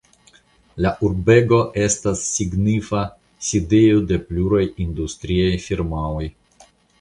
La urbego estas signifa sidejo de pluraj industriaj firmaoj.